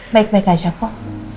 baik baik aja kok